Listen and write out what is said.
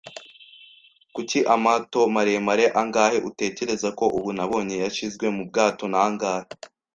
“Kuki, amato maremare angahe, utekereza ko ubu, nabonye yashyizwe mu bwato? Nangahe